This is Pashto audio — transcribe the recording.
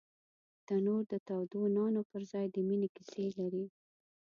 تنور د تودو نانو پر ځای د مینې کیسې لري